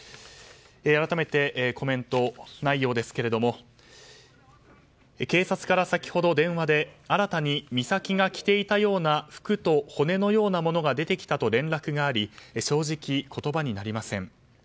改めてコメント内容ですが警察から先ほど電話で新たに美咲が着ていたような服と骨のようなものが出てきたと連絡があり正直、言葉になりません。